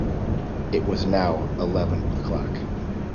It was now eleven o'clock.